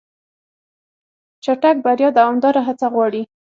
چټک بریا دوامداره هڅه غواړي.